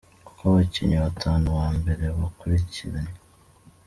Uko abakinnyi batanu ba mbere bakurikiranye:.